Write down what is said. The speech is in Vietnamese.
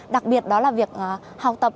đặc biệt đó là việc học tập